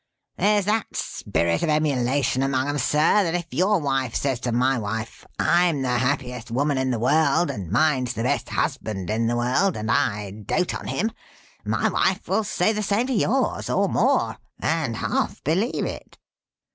There's that spirit of emulation among 'em, Sir, that if your wife says to my wife, 'I'm the happiest woman in the world, and mine's the best husband in the world, and I dote on him,' my wife will say the same to your's, or more, and half believe it."